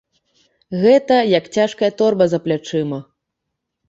Гэта як цяжкая торба за плячыма!